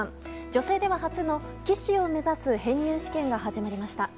女性では初の棋士を目指す編入試験が始まりました。